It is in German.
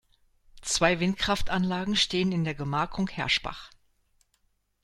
Zwei Windkraftanlagen stehen in der Gemarkung Herschbach.